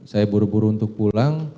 saya buru buru untuk pulang